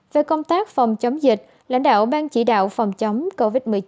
về công tác phòng chống dịch lãnh đạo ban chỉ đạo phòng chống covid một mươi chín